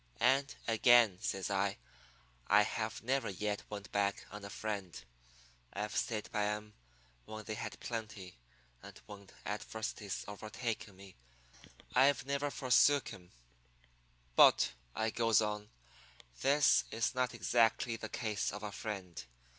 And, again,' says I, 'I have never yet went back on a friend. I've stayed by 'em when they had plenty, and when adversity's overtaken me I've never forsook 'em. "'But,' I goes on, 'this is not exactly the case of a friend.